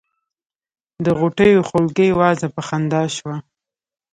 د غوټیو خولګۍ وازه په خندا شوه.